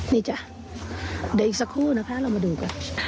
นี่จ้ะเดี๋ยวอีกสักครู่นะคะเรามาดูก่อน